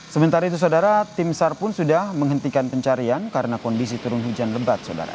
sementara itu saudara tim sar pun sudah menghentikan pencarian karena kondisi turun hujan lebat saudara